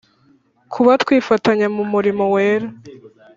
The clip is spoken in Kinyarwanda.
Kuba twifatanya mu murimo wera